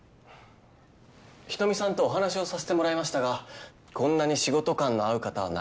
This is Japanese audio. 人見さんとお話をさせてもらいましたがこんなに仕事観の合う方はなかなかいません